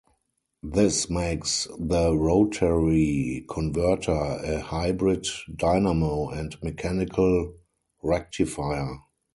This makes the rotary converter a hybrid dynamo and mechanical rectifier.